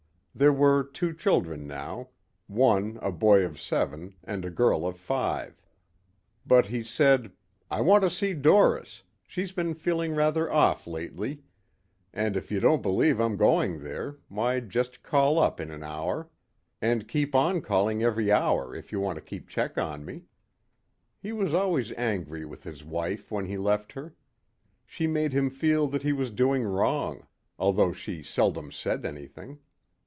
There were two children now one a boy of seven, and a girl of five. But he said, "I want to see Doris. She's been feeling rather off lately. And if you don't believe I'm going there, why just call up in an hour. And keep on calling every hour if you want to keep check on me." He was always angry with his wife when he left her. She made him feel that he was doing wrong, although she seldom said anything.